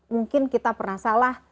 mungkin kita pernah salah